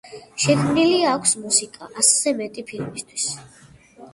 შექმნილი აქვს მუსიკა ასზე მეტი ფილმისთვის.